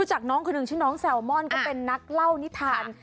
ชื่อน้องแซลม่อนก็เป็นนักเหล้านิทาน